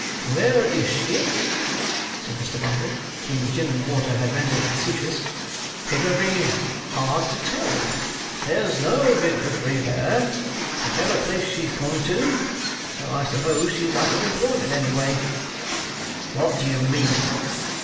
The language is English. "Where is she?" said Mr. Bumble, whom the gin and water had rendered facetious. "It would be hard to tell. There's no midwifery there, whichever place she's gone to; so I suppose she's out of employment, anyway." "What do you mean?"